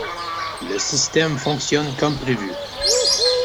Le système fonctionne comme prévu.